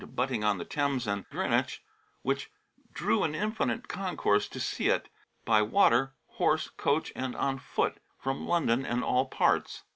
THE HUNTING OF WHALES 109 on the Thames and Grenewich, which drew an infinite concourse to see it, by water, horse, coach, and on foot, from London and all parts.